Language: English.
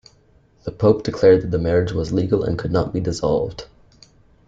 The pope declared that the marriage was legal and could not be dissolved.